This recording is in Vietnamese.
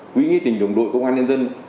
quỹ nghị tình đồng đội công an nhân dân